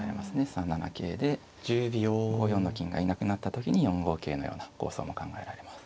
３七桂で５四の金がいなくなった時に４五桂のような構想も考えられます。